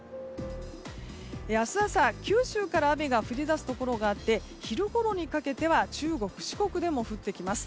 明日朝、九州から雨が降り出すところがあって昼ごろにかけては中国・四国でも降ってきます。